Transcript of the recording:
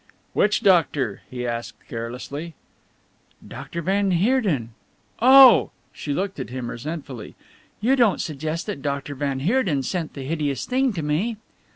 "Which doctor?" he asked carelessly. "Doctor van Heerden oh!" She looked at him resentfully. "You don't suggest that Doctor van Heerden sent that hideous thing to me?"